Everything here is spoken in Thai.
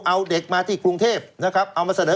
เอาเด็กมาที่กรุงเทพฯนะครับ